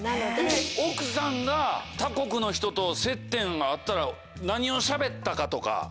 奥さんが他国の人と接点があったら何をしゃべったかとか。